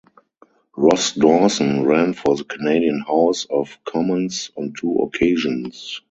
Ross Dowson ran for the Canadian House of Commons on two occasions.